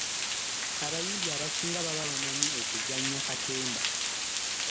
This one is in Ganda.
Abayimbi abasinga baba bamanyi okuzannya katemba.